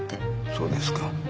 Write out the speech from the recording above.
そうですか。